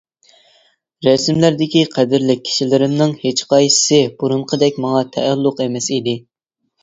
رەسىملەردىكى قەدىرلىك كىشىلىرىمنىڭ ھېچقايسىسى بۇرۇنقىدەك ماڭا تەئەللۇق ئەمەس ئىدى.